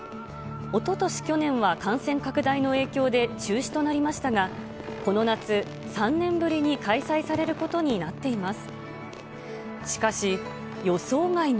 おととし、去年は感染拡大の影響で中止となりましたが、この夏、３年ぶりに開催されることになっています。